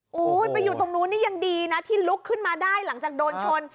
โอ้โหไปอยู่ตรงนู้นนี่ยังดีนะที่ลุกขึ้นมาได้หลังจากโดนชน